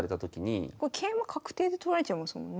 桂馬確定で取られちゃいますもんね。